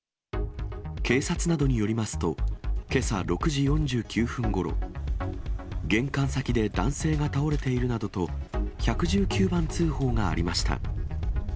警察などによりますと、けさ６時４９分ごろ、玄関先で男性が倒れているなどと、１１９番通報がありました。